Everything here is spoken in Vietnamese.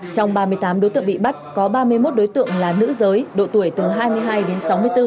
trong ba mươi tám đối tượng bị bắt có ba mươi một đối tượng là nữ giới độ tuổi từ hai mươi hai đến sáu mươi bốn